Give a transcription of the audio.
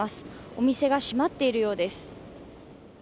お店が閉まっているようです。